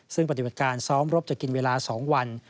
ซึ่งปฏิบัติการซ้อมรบจะกินเวลา๒วัน